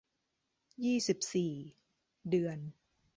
ยี่สิบสี่ เดือน